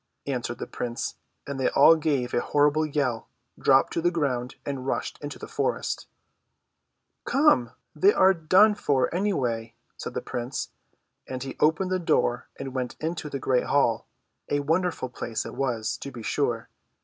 answered the prince, and they all gave a horrible yell, dropped to the ground, and rushed into the forest. THE WIZARD AND THE PRINCESS. ^^Come! they are done for, any way," said the prince, and he opened the door and went into the great hall. A wonderful place it was, to be sure.